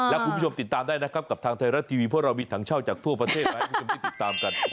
และคุณผู้ชมติดตามได้นะครับกับทางไทยรัฐทีวีเพราะเรามีถังเช่าจากทั่วประเทศมาให้คุณผู้ชมได้ติดตามกัน